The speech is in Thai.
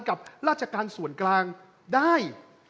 กับราชการส่วนกลางได้